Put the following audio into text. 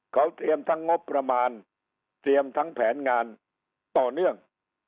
เขาเตรียมทั้งงบประมาณเตรียมทั้งแผนงานต่อเนื่อง